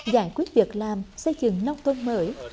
giải quyết việc làm xây dựng nông thôn mới